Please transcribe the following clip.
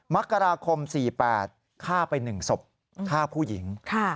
มกราคม๔๘ฆ่าไป๑ศพฆ่าผู้หญิง